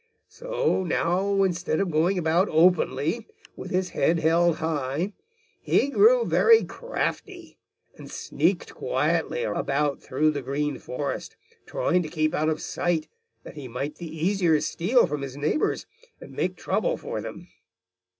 So now, instead of going about openly, with his head held high, he grew very crafty, and sneaked quietly about through the Green Forest, trying to keep out of sight, that he might the easier steal from his neighbors and make trouble for them.